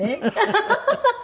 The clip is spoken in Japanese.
ハハハハ。